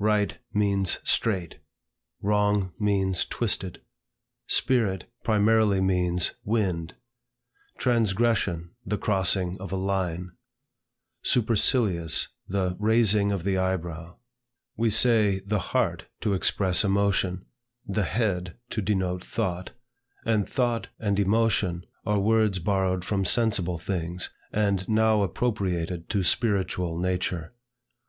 Right means straight; wrong means twisted. Spirit primarily means wind; transgression, the crossing of a line; supercilious, the raising of the eyebrow. We say the heart to express emotion, the head to denote thought; and thought and emotion are words borrowed from sensible things, and now appropriated to spiritual nature.